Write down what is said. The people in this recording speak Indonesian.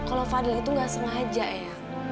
kalau fadil itu nggak sengaja eang